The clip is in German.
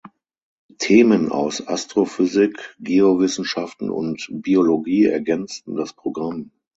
Themen aus Astrophysik, Geowissenschaften und Biologie ergänzten das Programm.